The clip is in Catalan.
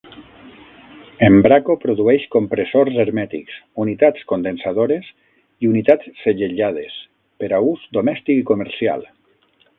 Embraco produeix compressors hermètics, unitats condensadores i unitats segellades, per a ús domèstic i comercial.